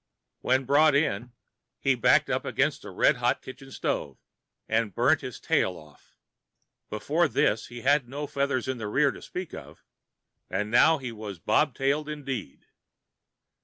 When brought in, he backed up against the red hot kitchen stove, and burned his tail off. Before this he had no feathers in the rear to speak of, and now he is bobtailed indeed.